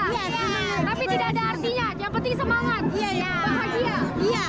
tapi tidak ada artinya yang penting semangat